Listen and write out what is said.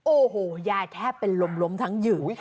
โอ้โหยายแทบเป็นลมทั้งหยื่อ